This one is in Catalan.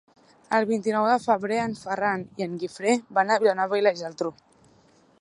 El vint-i-nou de febrer en Ferran i en Guifré van a Vilanova i la Geltrú.